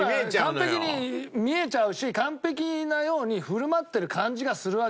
完璧に見えちゃうし完璧なように振る舞ってる感じがするわけ。